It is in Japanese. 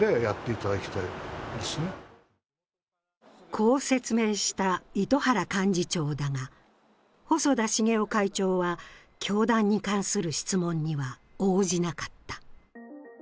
こう説明した絲原幹事長だが細田重雄会長は教団に関する質問には応じなかった。